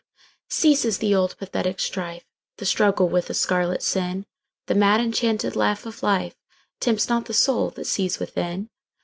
Ceases the old pathetic strife, The struggle with the scarlet sin:The mad enchanted laugh of lifeTempts not the soul that sees within.